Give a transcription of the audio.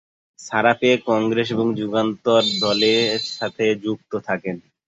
ছাড়া পেয়ে কংগ্রেস এবং যুগান্তর দলের সাথে যুক্ত থাকেন।